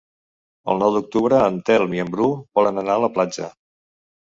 El nou d'octubre en Telm i en Bru volen anar a la platja.